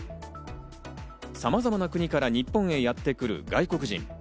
さまざまな国から日本へやってくる外国人。